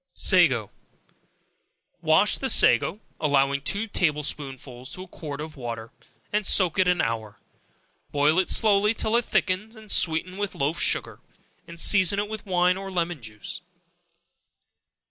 Sago. Wash, the sago, (allowing two table spoonsful to a quart of water,) and soak it an hour; boil it slowly till it thickens; sweeten it with loaf sugar, and season it with wine or lemon juice.